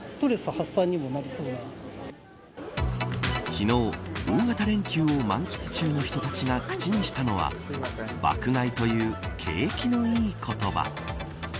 昨日、大型連休を満喫中の人たちが口にしたのは爆買いという景気のいい言葉。